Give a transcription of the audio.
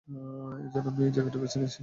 এজন্যই আমি এই জায়গাটি বেছে নিয়েছি।